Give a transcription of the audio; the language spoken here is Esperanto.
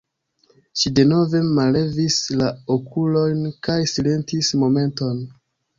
Ŝi denove mallevis la okulojn kaj silentis momenton.